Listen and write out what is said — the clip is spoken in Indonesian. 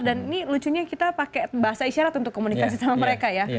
dan ini lucunya kita pakai bahasa isyarat untuk komunikasi sama mereka ya